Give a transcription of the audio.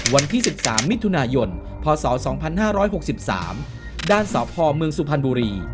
วันที่๑๓มิถุนายนพศ๒๕๖๓ด้านสพเมืองสุพรรณบุรี